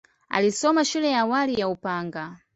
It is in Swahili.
Alisoma shule ya awali ya Upanga.